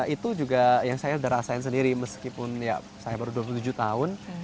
itu juga yang saya udah rasain sendiri meskipun ya saya baru dua puluh tujuh tahun